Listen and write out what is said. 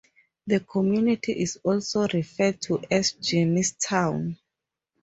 The community is also referred to as Jimstown.